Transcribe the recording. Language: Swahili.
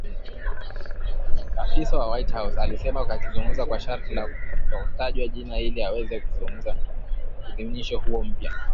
afisa wa White House alisema akizungumza kwa sharti la kutotajwa jina ili aweze kuzungumzia uidhinishaji huo mpya